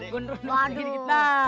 gue neru neru sendiri kita